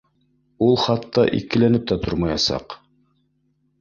Ул хатта икеләнеп тә тормаясаҡ